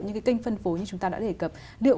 những cái kênh phân phối như chúng ta đã đề cập điệu